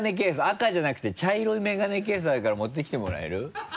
赤じゃなくて茶色いメガネケースあるから持ってきてもらえる？